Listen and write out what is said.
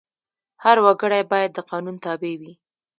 هر وګړی باید د قانون تابع وي.